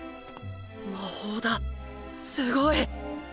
魔法だすごい！